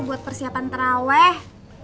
buat persiapan terawih